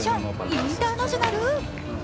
インターナショナル。